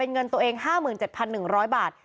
เงินตัวเอง๕๗๑๐๐บาท